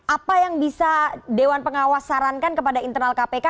apa yang bisa dewan pengawas sarankan kepada internal kpk